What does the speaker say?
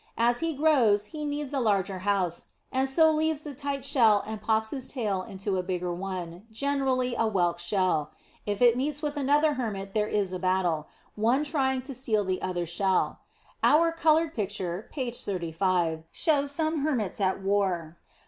As he grows he needs a larger house, and so leaves the tight shell and pops his tail into a bigger one, generally a whelk shell. If he meets with another Hermit there is a battle, one trying to steal the other's shell. Our coloured picture, page 35, shows some Hermits at war.